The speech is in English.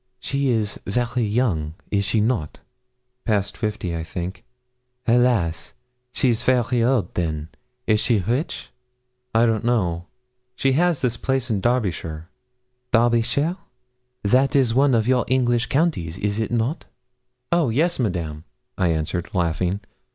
She is very young is she not?' 'Past fifty, I think.' 'Hélas! She's vary old, then. Is she rich?' 'I don't know. She has a place in Derbyshire.' 'Derbyshire that is one of your English counties, is it not?' 'Oh yes, Madame,' I answered, laughing.